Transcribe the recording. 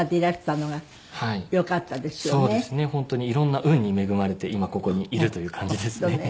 本当にいろんな運に恵まれて今ここにいるという感じですね。